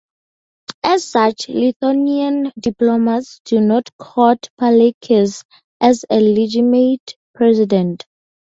As such, Lithuanian diplomats do not count Paleckis as a legitimate president.